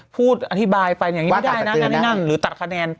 พูดอธิบายไปอย่างนี้อย่างนี้งั้นหรือตัดคะแนน